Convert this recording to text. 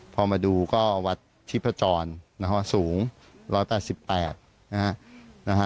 พอมาดูก็วัดชีพจรนะฮะสูง๑๘๘นะฮะ